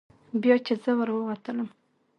بیا چې زه ور ووتم.